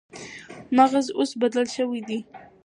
مغز اوس بدل شوی دی.